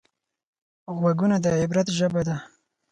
غوږونه د عبرت ژبه ده